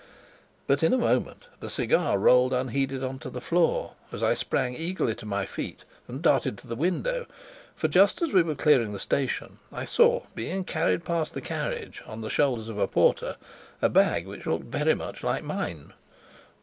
But in a moment the cigar rolled unheeded on to the floor, as I sprang eagerly to my feet and darted to the window. For just as we were clearing the station, I saw being carried past the carriage, on the shoulders of a porter, a bag which looked very much like mine.